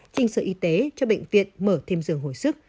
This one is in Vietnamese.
trình sở y tế cho bệnh viện mở thêm giường hồi sức